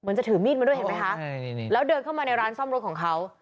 จะถือมีดมาด้วยเห็นไหมคะแล้วเดินเข้ามาในร้านซ่อมรถของเขา